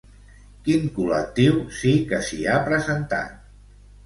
Quin col·lectiu sí que s'hi ha presentat?